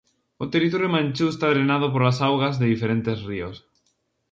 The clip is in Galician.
O territorio manchú está drenado polas augas de diferentes ríos.